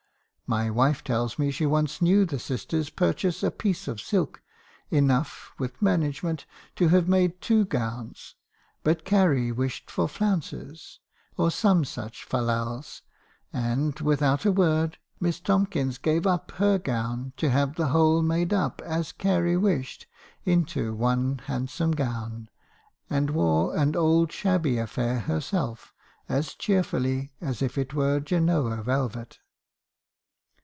My wife tells me she once knew the sisters purchase apiece of silk, enough, with management, to have made two gowns ; but Carry wished for flounces, or some such fal lals ; and, without a word, Miss Tomkinson gave up her gown to have the whole made up as Carry wished, into one handsome one ; and wore an old shabby affair herself as cheerfully as if it were Genoa velvet.